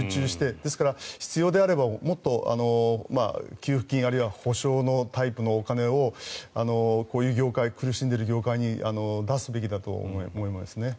ですから、必要であればもっと給付金あるいは補償のタイプのお金をこういう苦しんでいる業界に出すべきだと思いますね。